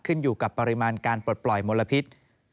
ขึ้นอยู่กับปริมาณการปลดปล่อยมลพิษ